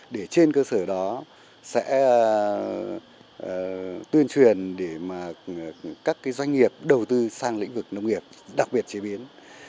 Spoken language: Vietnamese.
để trên cơ sở đó sẽ tuyên truyền để các doanh nghiệp đầu tư sang lĩnh vực nông nghiệp đặc biệt chế biến